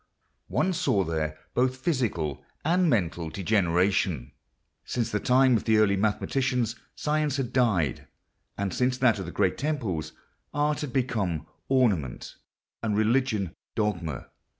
One saw there both physical and mental degeneration. Since the time of the early mathematicians science had died; and since that of the great temples art had become ornament, and religion dogma.